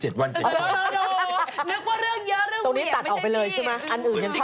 เจ้าออนอนอยุ